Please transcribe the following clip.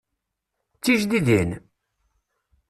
D tijdidin?